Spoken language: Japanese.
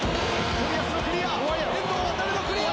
冨安のクリア！